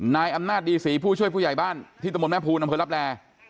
นายอำนาจดีศรีผู้ช่วยผู้ใหญ่บ้านที่ตะบนแม่ภูลอำเภอลับแล